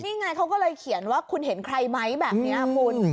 นี่ไงเขาก็เลยเขียนว่าคุณเห็นใครไหมแบบนี้คุณ